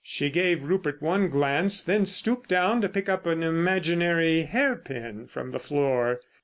She gave Rupert one glance, then stooped down to pick up an imaginary hairpin from the floor.